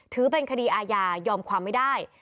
ถือเป็นคดีอาญายอมความไม่ได้